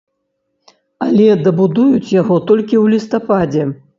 Але дабудуюць яго толькі ў лістападзе.